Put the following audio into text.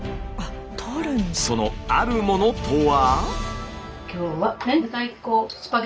そのあるものとは。